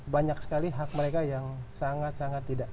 banyak sekali hak mereka yang sangat sangat tidak